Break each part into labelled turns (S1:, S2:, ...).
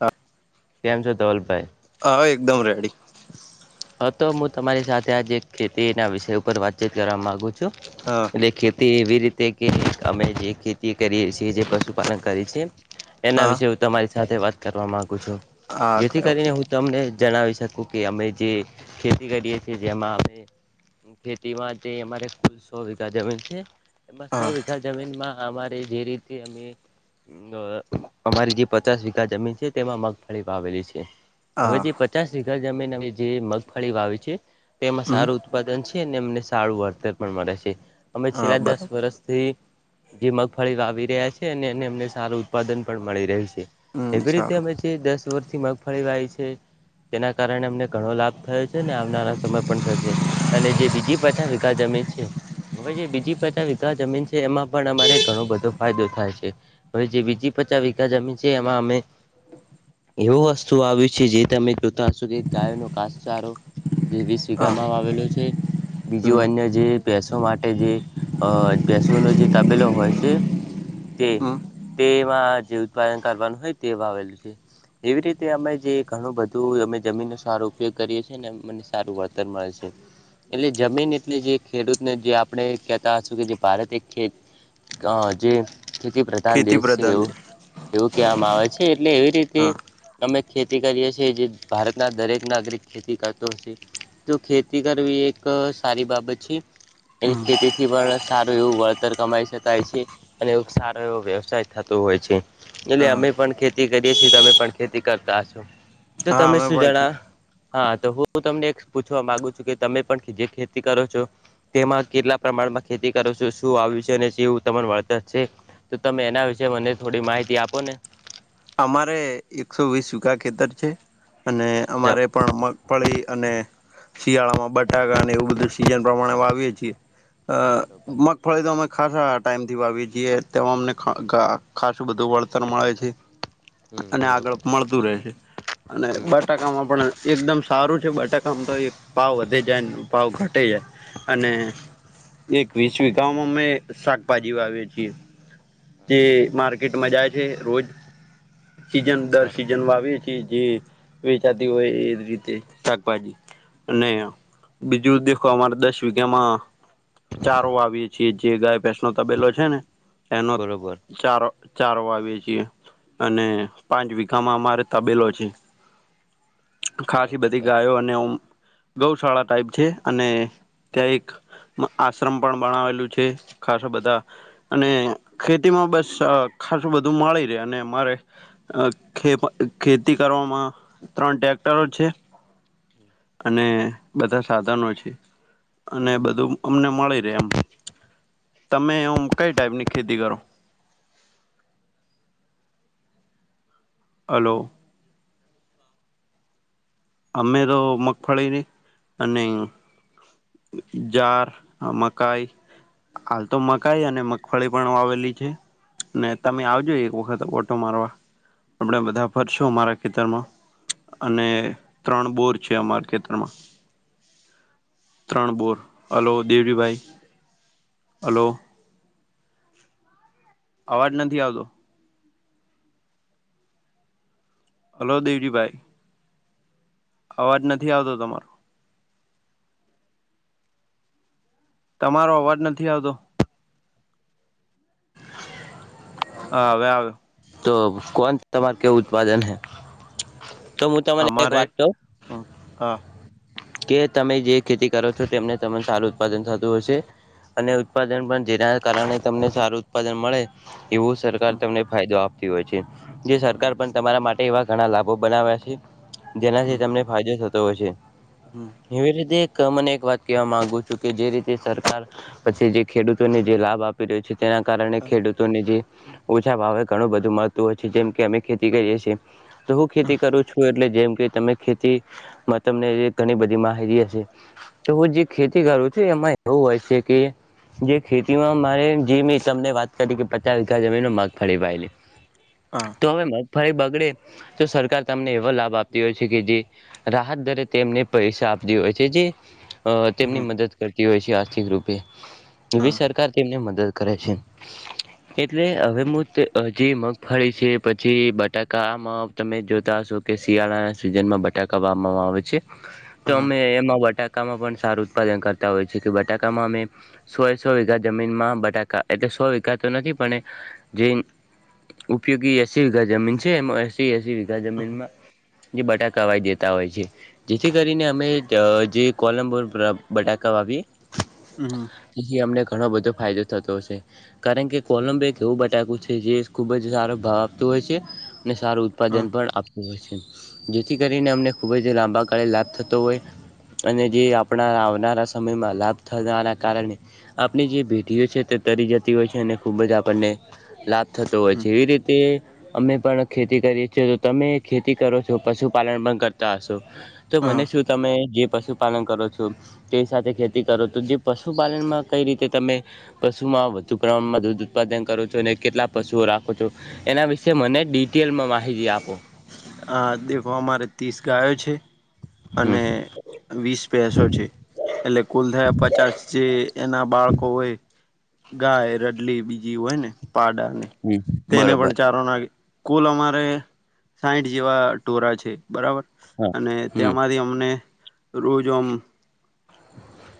S1: હ
S2: કેમ છો ધવલ ભાઈ
S1: હવે એકદમ રેડી
S2: હા તો હું તમારી સાથે આજ ખેતીના વિષય ઉપર વાતચીત કરવા માંગુ છું
S1: હ
S2: એટલે ખેતી એવી રીતે કે અમે જે ખેતી કરીએ છીએ તે પશુપાલન કરે છે એના
S1: હા
S2: વિશે હું તમારી સાથે વાત કરવા માંગુ છું
S1: હા
S2: જેથી
S1: કયો
S2: કરીને હું તમને જણાવી શકું કે અમે જે ખેતી કરીએ છીએ તેમા ખેતી માં જે અમારી કુલ સો વીઘા જમીન છે સો
S1: હા
S2: વીઘા જમીન માં અમારે જે રીતે અમે અમારી જે પચાસ વીઘા જમીન છે તેમાં મગફળી વાવેલી છે હવે
S1: હા
S2: જે પચાસ વીઘા જમીન જે મગફળી વાવી છે તેમાં
S1: હમ
S2: સારુ ઉત્પાદન છે ને એમને સારું વળતર પણ મળે છે અમે
S1: હા
S2: છેલ્લા દસ
S1: બરાબર
S2: વર્ષ થી જે મગફળી વાવી રહ્યા છે અને એને એમને સારું ઉત્પાદન પણ મળી રહ્યું છે
S1: હમ
S2: એવી રીતે
S1: સારું
S2: અમે જે દસ વર્રથી મગફળી વાય છે તેના કારણે અમને ઘણો લાભ થયો છે ને આવનારા સમય પણ થશે અને જે બીજી પાછા વિકાસ જમીન છે હવે જે બીજી પાચાસ વીઘા જમીન છે એમાં પણ અમારે ઘણો બધો ફાયદો થાય છે હવે જે બીજી પચા વીઘા જમીન છે એમાં અમે એવું વસ્તુ વાવ્યું છે જે તમે જોતા હશો કે ગાયો નો ઘાસ સારો જે વીસ
S1: હા
S2: વીઘામાં વાવેલો છે
S1: હમ
S2: બીજું અન્ય જે ભેસો માટે જે અ ભસો નો જે તબેલો હોય છે તે
S1: હમ
S2: તેમાં જે ઉત્પાદન કરવાનું હોય તે વાવેલું છે એવી રીતે અમે જે ઘણું બધું અમે જમીનનું સારું ઉપયોગ કરીએ છી ને મને સારું વળતર મળે છે એટલે જમીન એટલે જે ખેડૂતને જે આપણે કહેતા હશું કે જે ભારત એક ખેત ગાવ હજે ખેતી પ્રધાન
S1: ખેતી
S2: દેશ છે એવ
S1: પ્રધાન દેશ
S2: એવું કહેવામાં આવે છે એટલે એવી રીતે
S1: હા
S2: અમે ખેતી કરીએ છીએ જે ભારતના દરેક નાગરિક ખેતી કરતો હશે તો ખેતી કરવી એક સારી બાબત છે એની
S1: હમ
S2: ખેતીથી પણ સારું એવું વળતર કમાઈ શકાય છે અને એવ સારો એવો વ્યવસાય થતો હોય છે એટલે
S1: હા
S2: અમે પણ ખેતી કરીએ છીએ. તમે પણ ખેતી કરતા હશો. તો
S1: હા
S2: તમે
S1: અમે
S2: શું
S1: પણ
S2: જણા હા તો હું તમને એક પૂછવા માગુ છું, કે તમે પણ જે ખેતી કરો છો. કેટલા પ્રમાણમાં ખેતી કરો છો. શું આવ્યું છે. અને જેવું વળતર જ છે. તો તમે એના વિશેે મને થોડી માહિતી આપોને
S1: અમારે એકસો વીસ વૂકા ખેતર છે. અને
S2: જમ
S1: અમારે પણ મગફળી અને શિયાળામાં બટાકા અને એવું બધું સીઝન પ્રમાણે વાવીએ છીએ.
S2: બરોબર
S1: ફળી તો અમે ખાસ ટાઈમથી વાવીએ છીએ. તેમાં અમને ખાસું બધું વળતર મળે છે.
S2: હમ
S1: અને
S2: બરોબર
S1: આગળ મળતું રહેશે. અને
S2: હમ
S1: બસ બટાકામાં પણ એકદમ સારું છે. બટાકામાં તો ભાવ વધે જાય ભાવ ઘટે જાય. અને એક વીસ વકામાં અમે શાકભાજી વાવીએ છીએ.
S2: હા
S1: જે માર્કેટમાં જાય છે. રોજ સીઝન દર
S2: બરોબર
S1: સિઝનમાં આવીએ એ જે વેચાતી હોય, એ રીતે શાકભાજી અને બીજું દેખો દસ વિઘામાં ચારો આવી છીએ. જે ગાય સ તબેલો છે. ને એનો
S2: બરોબર
S1: ચાર ચાર વાવીએે છીએ. અને પાંચ વીઘામાં અમારે તબેલો છે. ખાસ
S2: બરોબર
S1: બધી ગાયો અને હ. ગોસાળા ટાઇપ છે. અને ત્યાં એક આશ્રમ પણ બનાવેલું છે. ખાસ બધા અને ખેતીમાં બસ ખાસું બધું મળી રહેે અને એમ અમારે ખે ખેતી કરવામાં ત્રણ ટ્રેક્ટરો છે.
S2: હમ.
S1: અને બધા સાધનો છે. અને બધું અમને મળી રે એમ તમે એમ કઈ ટાઈપની ખેતી કરો. હલો. અમે તો મગફળીને અને જાર, મકાય, હાલ તો મકાઈ અને મગફળી પણ વાવેલી છે. ને તમે આવજો એક વખત ઓટો મારવા આપણે બધા ફરશું મારા ખેતરમાં અને ત્રણ બોર છે. અમારા ખેતરમાં ત્રણ બોર હલો દેવજીભાઈ હલો. અવાજ નથી આવતો. હલો દેવજીભાઈ. અવાજ નથી આવતો. તમારો તમારો અવાજ નથી આવતો. હા હવે આવે.
S2: તો કોન તમાર કેવું ઉત્પાદન હૈ તો હું તમને એક
S1: અમારે
S2: વાત કહું
S1: હમ હા
S2: કે તમે જે ખેતી કરો છો. તેમને તમને સારું ઉત્પાદન થતું હશે. અને ઉત્પાદન પણ જેના કારણે તમને સારું ઉત્પાદન મળે. એવું સરકાર
S1: હમ
S2: તમને ફાયદો આપતી હોય છે. જે સરકાર પણ તમારા માટે એવા ઘણા લાભો બનાવ્યા છે. જેનાથી ફાયદો થતો હોય છે.
S1: હમ્મ.
S2: એવી રીતે એક મને એક વાત કહેવા માંગુ છું, કે જે રીતે સરકાર પછી જે ખેડૂતોને જે લાભ આપી રહ્યો છે, તેના કારણે
S1: હા
S2: ખેડૂતોને જે ઓછા ભાવે ઘણું બધું મહત્વ હોય છે. જેમ કે અમે ખેતી કરીએ છીએ. તો હું ખેતી કરું છું એટ એટલે જેમ કે તમે ખેતીમાં તમને જે ઘણી બધી માહિતી હશે તો હું જે ખેતી કરું છું, એમાં એવું હોય સે કે જે ખેતીમાં મારે જે મેં તમને વાત કરી, કે પચાસ વીઘા જમીનમાં મગફળી વાયેલી.
S1: હા
S2: તો હવે મગફળી બગડે તો સરકાર તમને એવો લાભ આપતી હોય છે, કે જે રાહત દરે તેમને પૈસા આપતી હોય છે. જે અહ
S1: હા
S2: તેમની મદદ કરતી હોય છે આર્થિક રૂપે.
S1: હા
S2: એવી સર કાર તેમને મદદ કરે છે. એટલે હવે [unintelligible] હવે જે મગફળી છે, પછી બટાકામાં તમે જોતા હશો, કે શિયાળાના સીઝનમાં બટ [unintelligible] આવે છે. તો
S1: હા
S2: અમે એમાં બટાક કામાં પણ સારું ઉત્પાદન કરતા હોય છે, કે બટાકામાં અમે સો એ સો વીઘા જમીનમાં બટાકા, એટલે સો વીઘા તો નથી. પણ જે ઉપયોગી એસી વીઘા જમીન છે એમાં એસી એ એસી વીઘા જમીનમાં જે બટાકા વાયી દેતા હોય છે. જેથી કરીને અમે જ જે કોલંબર બ્ર બટાકા વાવીએ.
S1: હમ્મ.
S2: તેથી અમને ઘણો બધો ફાયદો થતો હશે. કારણ કે કોલંબો એક એવું બટાકું છે કે જે ખૂબ જ સારો ભાવ આપતો હોય છે. અને સારું
S1: હા
S2: ઉત્પાદન પણ આપતું હોય છે. જેથી કરીને અમને ખૂબ જ લાંબા ગાળે લાભ થતો હોય અને જે આપણા આવનારા સમયમાં લાભ થતાના કારણે આપની જે પેઢીઓ છે તે તરી જતી હોય છે. અને ખૂબ જ આપણને લાભ થતો હોય
S1: હા
S2: છે. એવી રીતે અમે પણ ખેતી કરીએ છીએ. તો તમે ખેતી કરો છો, પશુપાલન પણ કરતા હશો. તો
S1: હા
S2: મને શું તમે જે પશુપાલન કરો છો તે સાથે ખેતી કરો. તો જે પશુપાલનમાં કંઈ રીતે તમે પશુમાં વધુ પ્રમાણમાં દૂધ ઉત્પાદન કરો છો, અને કેટલા પશુઓ રાખો છો, એના વિશે મને ડિટેલમાં માહિતી આપો.
S1: હા દેખો. અમારે તીસ ગાયો છે.
S2: હમ
S1: અને વીસ ભેંસો છે. એટલે કુલ થયા પચાસ જે એના ના બાળકો હોય, ગાય, રડલી બીજી હોય ને, પાડા ને. તેને પણ
S2: બરોબર
S1: ચારો નાખી. કુલ અમારે સાઈઠ જેવા ટોળાં છે. બરાબર.
S2: હા
S1: અને
S2: હમ
S1: તેમાંથી અમને રોજ ઓમ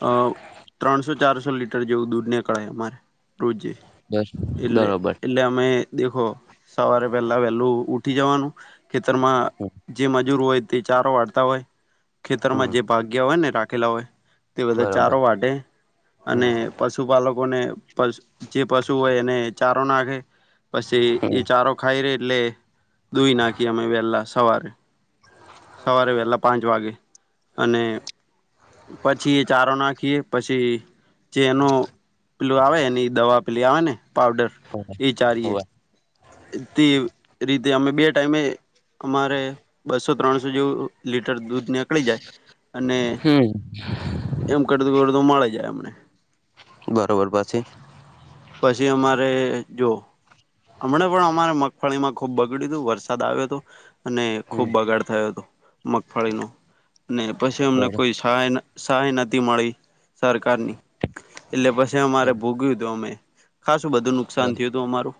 S1: અહ ત્રણસો-ચારસો લીટ ટર જેવું દૂધ નીકળાય અમારે રોજે.
S2: બસ બરોબર
S1: એટલે-એટલે અમે દેખો સવારે પહેલા વહેલું ઉઠી જવાનું ખેતરમાં જે મજૂર હોય તે ચારો વારતા હોય. ખેતરમાં
S2: હમ
S1: જે ભાગ્યા હોય ને રાખેલા હોય તે બધા
S2: બરોબર
S1: ચારો વાટે,
S2: હમ
S1: અને પશુપાલકોને [unintelligible] જે પશુ હોય એને ચારો નાખે. પસી
S2: હમ
S1: ઈ ચારો ખાઈ રહે એટલે દૂઈ નાખી અમે વહેલા સવારે. સવારે વહેલા પાંચ વાગે. અને પછી, ઈ ચારો નાખીએ પછી- જે, એનું પેલું, આવે એની દવા પેલી આવે ને પાવડર એ ચારીએ.
S2: હોવે
S1: તે રીતે અમે બે ટાઈમે અમારે- બસો, ત્રણસો જેવું લીટર દૂધ નેકળી જાય અને
S2: હમ
S1: - એમ કરતુ કરતુ મળે જાય અમને.
S2: બરાબર પછી,
S1: પછી અમારે જો- હમણાં પણ અમારે મગફળીમાં ખુબ બગડ્યું તું, વરસાદ આવ્યો તો. અને
S2: હમ
S1: ખૂબ બગાડ થયો હતો. મગફળીનો અને પછી અમને
S2: બરો
S1: કોઈ- -સહાય નતી મળી- -સરકારની, એટલે પછી અમારે ભોગ્યું તું અમે. ખાસું બધું નુકસાન
S2: બર
S1: થયું હતું અમારું.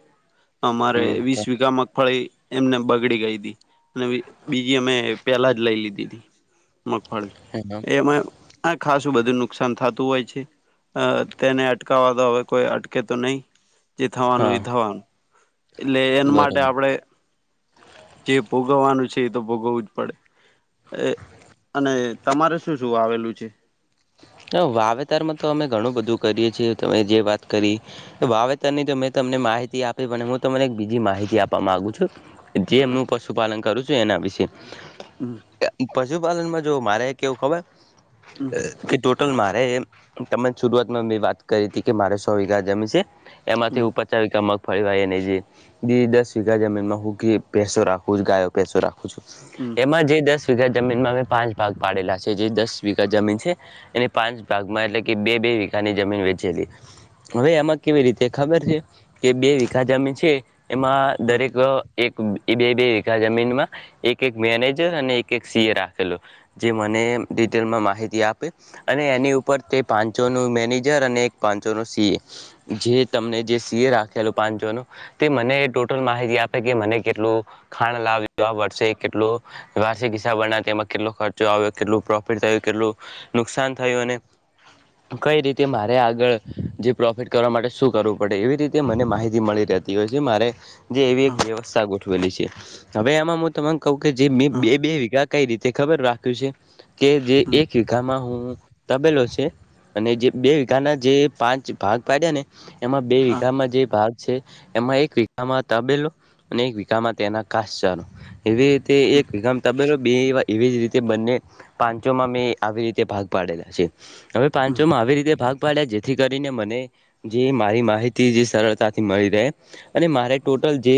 S1: અમારે
S2: હમ
S1: વીસ વીઘા મગફળી - એમનેમ બગડી ગઈ તી, ને બીજી અમે પેલા જ લઈ લીધીતી મગફળી.
S2: હમ
S1: એમાં આ ખાસું બધું નુકસાન થાતું હોય છે. અ તેને અટકાવવા તો હવે કોઈ- તો નહી, જે થવાનું
S2: હા
S1: એ થવાનું. એટલે એના માટે
S2: બરોબર
S1: આપડે- જે ભોગવવાનું છે એ તો ભોગવવું જ પડે. એ અને તમારે શું શું વાવેલું છે?
S2: હ વાવેતરમાં તો અમે ઘણું બધું કરીએ, છીએ તમે જે વાત કરી - વાવેતરની તો મેં તમને માહિતી આપી. પણ હું તમને એક બીજી માહિતી આપવા માંગુ છું. જે મુ પશુપાલન કરુ છું એના વિશે.
S1: હમ
S2: પશુપાલનમાં જો, મારે કેવું ખબર?
S1: હમ
S2: કે ટોટલ મારે તમને શરૂઆતમાં મે વાત કરી હતી કે મારે સો વીઘા જમી છે.
S1: હમ
S2: એમાંથી હું પચા વીઘા મગફળી વાઈ ને જે- દી દસ વઘા જમીનમાં હું કી ભેંસો રાખું છું, ગાયો ભેંસો રાખું છું.
S1: હમ
S2: એમાં જે દસ વીઘા જમીનમાં અમે પાંચ ભાગ પાડેલા છે. જે દસ વીઘા જમીન- એ પાંચ ભાગમાં એટલે કે બે બે વિઘા ની જમીન વેચેલી. હવે એમાં કેવી રીતે ખબર છે કે બે વીઘા જામીન છે. એમાં
S1: હ હ
S2: દરેક - એક બે બે વીઘા જમીનમાં એક એક મેનેજર અને એક એક સીએ રાખેલો. જે મને ડિટેલમાં માહિતી આપ- અને એની ઉપર તે પાંચો નો મેનેજર અને એક પાંચો નો સીએ. જે તમને જે સીએ રાખેલો પાંચો નો. તે મને ટોટલ માહિતી આપે કે, મને કેટલું ખાણ લાવું પડશે વરસે કેટલુ- વાર્ષિક હિસાબ બનાવે, તેમાં કેટલો ખર્ચો આવ્યો કેટલું પ્રોફિટ થયું કેટલું- - નુકસાન થયું, અને- કઈ રીતે મારે આગળ જે પ્રોફિટ કરવા માટે શું કરવું પડે એવી રીતે મને માહિતી મળી રહે. દિવસે મારે, જે એવી
S1: હ
S2: એક વ્યવસ્થા ગોઠવેલી છે, હવે આમા મુ તમન કહું કે, જે
S1: હ
S2: બે-બે વિઘા- કઈ રીતે ખબર રાખ્યું છે. કે જે એક -- આમાં હું તબેલો છે. અને જે બે વીઘાના જે પાંચ ભાગ પાડ્યા ને - એમાં બે વિઘામાં જે ભાગ - - છે એમાં એક વામાં તબેલો અને એક વીઘામાં તેના ઘાસચારો. એવી રીતે એક વીઘા મા તબેલો, બે એવી જ રીતે બંને પાંચોમાં મે - આવી રીતે ભાગ પાડેલા છે. હવે પાંચોમાં આવી રીતે ભાગ પાડ્યા જેથી કરીને મને જે મારી માહિતી જે સરળતાથી મળી રહે. અને મારે ટોટલ જે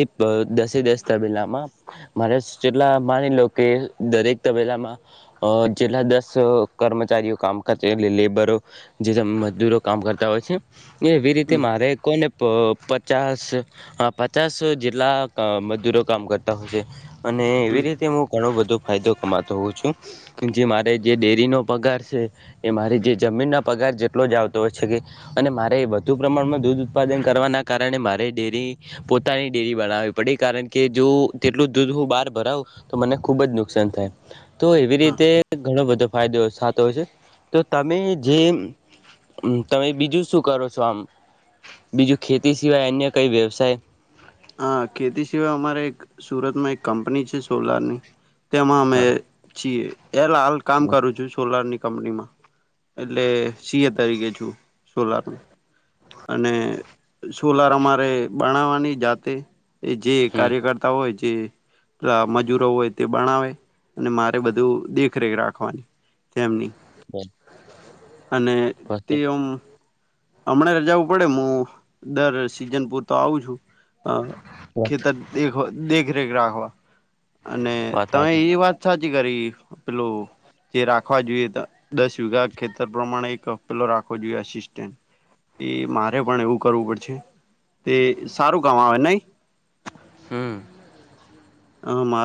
S2: દસે દસ તબેલામાં મારે જેટલા માની લો કે દરેક તબેલામાં જેટલા અ જેટલા દસ કર્મચારીઓ કામ કરતા એટલે લેબરો જે મજદૂરો કામ કરતા હોય છે. એ એવી રીતે
S1: હ
S2: મારે કોઈને પ પચાસ આ પચાસ જેટલા અ મજૂરો કામ કરતા હોય છે. અને
S1: હ હ
S2: એવી
S1: હ
S2: રીતે હું ઘણો બધો ફાયદો કમાતો હોઉ છું. કે જે મારે જે ડેરીનો પગાર છે. એ મારે જે જમીનના પગાર જેટલો જ આવતો હોય છે કે અને મારે વધુ પ્રમાણમાં દૂધ ઉત્પાદન કરવાના કારણે મારે ડેરી પોતાની ડેરી બનાવવી પડી કારણ જો તેટલું દૂધ હું બહાર ભરાવુ તો મને ખુબ જ નુકસાન થાય. તો એવી
S1: હા
S2: રીતે ઘણો બધો ફાયદો થાતો હોય છે, તો તમે જે હમ તમે બીજું શું કરો છો આમ બીજું ખેતી સિવાય અન્ય કઈ વ્યવસાય?
S1: હા, ખેતી સિવાય અમારે એક સુરતમાં એક કંપની છે. સોલારની તેમાં અમે
S2: હા
S1: છીએ, એલા હાલ કામ કરું છું સોલારની કંપનીમાં એટલે સી એ તરીકે છું સોલારમાં અને સોલાર અમારે બનાવવાની જાતે એ જે
S2: હમ
S1: કાર્યકર્તા હોય. જે અ મજૂરો હોય તે બણાવે અને મારે બધું દેખરેખ રાખવાની. તેમની અને તે એમ હમણાં રજાઓ પડે હું દર સીઝન પૂરતો આવું છું અ ખેતર હોય દેખરેખ રાખવા અને
S2: વાત
S1: તમે એ વાત સાચી કરી પેલો જે રાખવા જોઈએ તો દસ વિઘા ખેતર પ્રમાણે એક પેલો રાખવો જોઈએ આસિસ્ટ. એ મારે પણ એવું કરવું પડશે. તે સારું કામ આવે નઈ?
S2: હમ્મ.
S1: હ મા